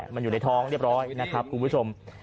มันอยู่ในท้องเรียบร้อยนะครับคุณผู้ชม